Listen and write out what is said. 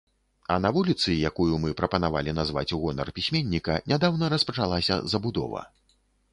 А на вуліцы, якую мы прапанавалі назваць у гонар пісьменніка, нядаўна распачалася забудова.